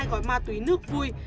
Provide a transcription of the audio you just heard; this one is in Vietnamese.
một mươi hai gói ma túy nước vui